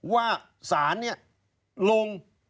ว่าสารนี่ลง